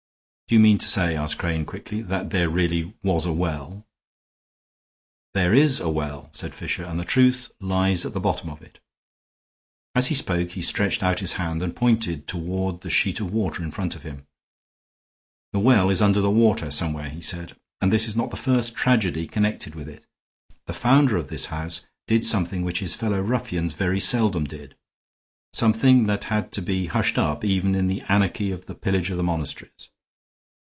"Do you mean to say," asked Crane, quickly, "that there really was a well?" "There is a well," said Fisher, "and the truth lies at the bottom of it." As he spoke he stretched out his hand and pointed toward the sheet of water in front of him. "The well is under that water somewhere," he said, "and this is not the first tragedy connected with it. The founder of this house did something which his fellow ruffians very seldom did; something that had to be hushed up even in the anarchy of the pillage of the monasteries.